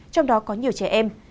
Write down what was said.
trong đó có nhiều trẻ em